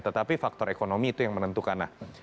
tetapi faktor ekonomi itu yang menentukan